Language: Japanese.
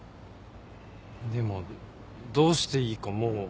でもどうしていいかもう。